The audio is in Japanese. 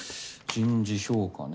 人事評価ね。